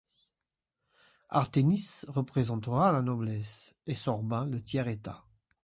Arthénice représentera la noblesse et Sorbin le Tiers état.